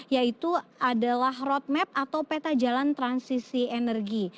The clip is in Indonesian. yaitu adalah roadmap atau peta jalan transisi energi